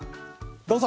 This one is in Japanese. どうぞ！